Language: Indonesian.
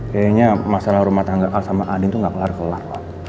kayaknya masalah rumah tangga al sama adin tuh gak kelar kelar